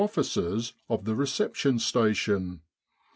O.s of the Reception Station.